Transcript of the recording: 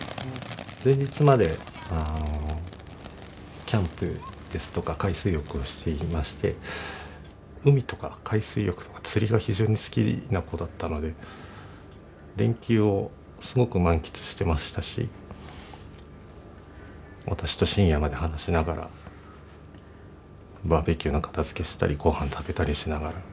前日までキャンプですとか海水浴をしていまして海とか海水浴とか釣りが非常に好きな子だったので連休をすごく満喫してましたし私と深夜まで話しながらバーベキューの片づけしたりごはん食べたりしながら。